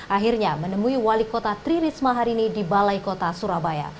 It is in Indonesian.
akhirnya menemui wali kota tri risma hari ini di balai kota surabaya